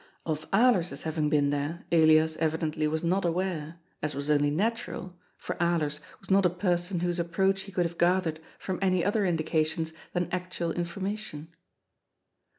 Of Alers's having been there, Elias evidently was not aware, us was only natural, for Alers was not a person whose approach he could have gathered from any other indications than actual information.